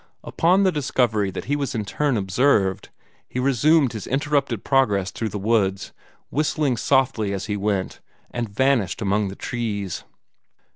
Upon the discovery that he was in turn observed, he resumed his interrupted progress through the woods, whistling softly as he went, and vanished among the trees.